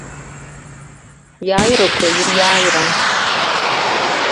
Ҳиааирақәа ириааиран.